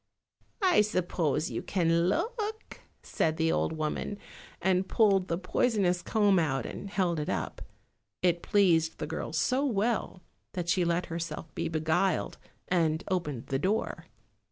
"I suppose you can look," said the old woman, and pulled the poisonous comb out and held it up. It pleased the girl so well that she let herself be beguiled, and opened the door.